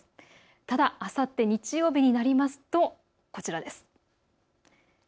ただあさって日曜日になりますとこちらです。